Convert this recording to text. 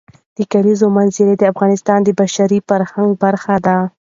د کلیزو منظره د افغانستان د بشري فرهنګ برخه ده.